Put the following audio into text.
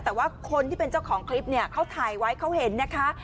แต่ว่าคนที่เป็นเจ้าของคลิปเนี่ยเขาถ่ายไว้เขาเห็นนะคะ